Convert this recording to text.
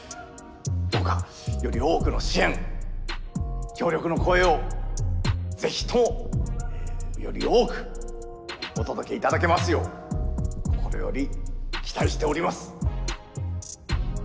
どうかより多くの支援協力の声をぜひともより多くお届け頂けますよう心より期待しております。